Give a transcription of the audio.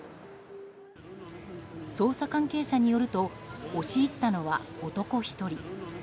捜査関係者によると押し入ったのは男１人。